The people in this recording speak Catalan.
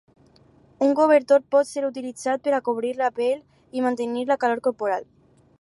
Un cobertor pot ser utilitzat per a cobrir la pell i mantenir la calor corporal.